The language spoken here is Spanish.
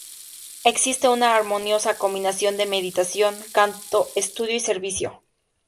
Existe una armoniosa combinación de meditación, canto, estudio y servicio.